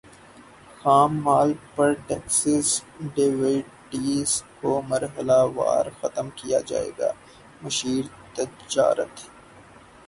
خام مال پر ٹیکسز ڈیوٹیز کو مرحلہ وار ختم کیا جائے گا مشیر تجارت